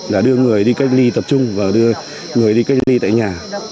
là đưa người đi cách ly tập trung và đưa người đi cách ly tại nhà